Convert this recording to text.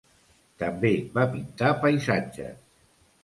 També va pintar paisatges.